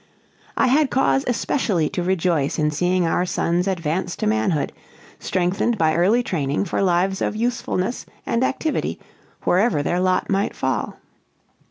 I had cause especially to rejoice in seeing our sons advance to manhood, strengthened by early training for lives of usefulness and activity wherever their lot might fall.